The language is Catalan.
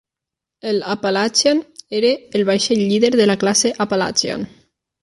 El "Appalachian" era el vaixell líder de la classe "Appalachian".